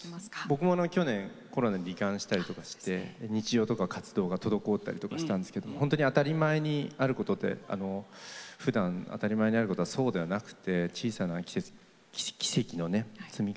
僕もあの去年コロナにり患したりとかして日常とか活動が滞ったりとかしたんですけど本当に当たり前にあることでふだん当たり前にあることはそうではなくて小さな奇跡のね積み重なりなんだなってことを身をもって感じました。